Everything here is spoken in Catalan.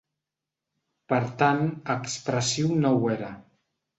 Per tant, expressiu no ho era.